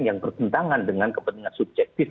yang bertentangan dengan kepentingan subjektif